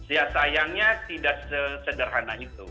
ya sayangnya tidak sesederhana itu